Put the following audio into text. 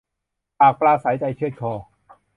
ปากปราศรัยใจเชือดคอ